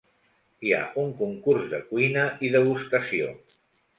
Hi ha un concurs de cuina i degustació.